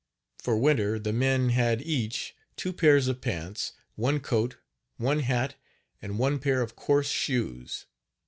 For winter the men had each two pairs of pants, one coat, one hat and one pair of coarse shoes.